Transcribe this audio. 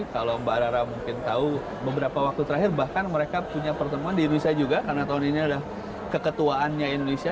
kalau mbak rara mungkin tahu beberapa waktu terakhir bahkan mereka punya pertemuan di indonesia juga karena tahun ini ada keketuaannya indonesia